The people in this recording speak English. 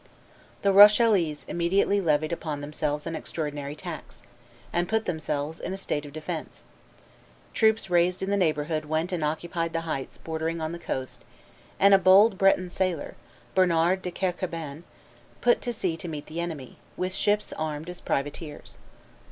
The Rochellese immediately levied upon themselves an extraordinary tax, and put themselves in a state of defence; troops raised in the neighborhood went and occupied the heights bordering on the coast; and a bold Breton sailor, Bernard de Kercabin, put to sea to meet the enemy, with ships armed as privateers.